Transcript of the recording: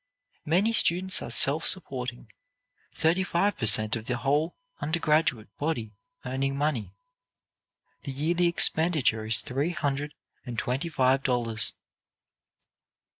Many students are self supporting, thirty five per cent of the whole undergraduate body earning money. The yearly expenditure is three hundred and twenty five dollars.